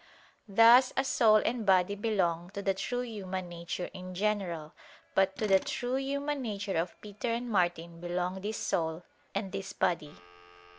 Thus a soul and body belong to the true human nature in general, but to the true human nature of Peter and Martin belong this soul and this body.